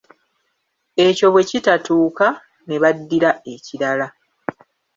Ekyo bwe kitatuuka, ne baddira ekirala .